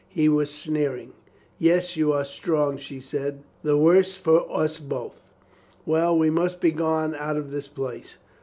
He was sneering. "Yes, you are strong," she said. "The worse for us both. Well, we must be gone out of this place.